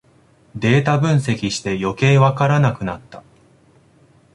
データ分析してよけいわからなくなった